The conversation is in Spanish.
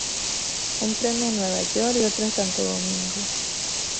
Un premio en Nueva York y otro en Santo Domingo.